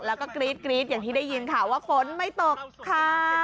แล้วก็กรี๊ดอย่างที่ได้ยินข่าวว่าฝนไม่ตกค่ะ